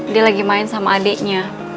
dia lagi main sama adiknya